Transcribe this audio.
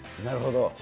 なるほど。